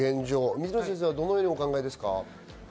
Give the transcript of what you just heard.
水野先生はどのようにお考えですか？